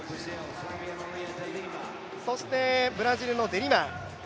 そしてブラジルのデリマ。